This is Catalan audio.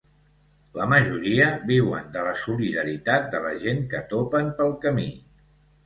La majoria viuen de la solidaritat de la gent que topen pel camí.